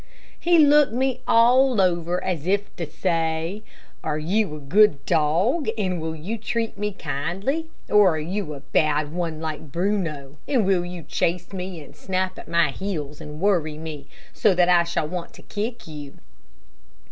He looked me all over as if to say: "Are you a good dog, and will you treat me kindly, or are you a bad one like Bruno, and will you chase me and snap at my heels and worry me, so that I shall want to kick you?"